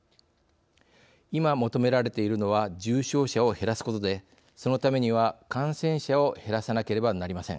いま求められているのは重症者を減らすことでそのためには感染者を減らさなければなりません。